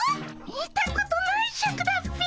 見たことないシャクだッピ。